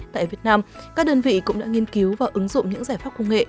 tại việt nam các đơn vị cũng đã nghiên cứu và ứng dụng những giải pháp công nghệ